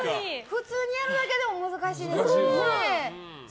普通にやるだけでも難しいのにね。